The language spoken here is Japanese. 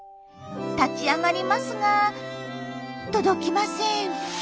立ち上がりますが届きません。